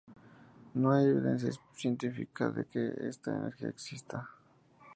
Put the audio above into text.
No hay evidencia científica de que esta "energía" exista.